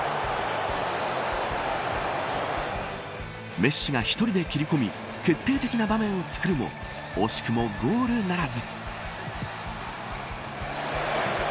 メッシが１人で切り込み決定的な場面をつくるも惜しくもゴールならず。